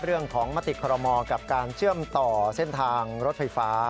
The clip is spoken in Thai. เรื่องของมติครมกับการเชื่อมต่อเส้นทางรถไฟฟ้า